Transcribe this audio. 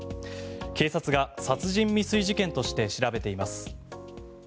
警察が殺人未遂事件として調べています。